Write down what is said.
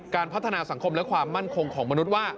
การพัฒนาสังคมและความมั่นคงของมนุษย์ว่า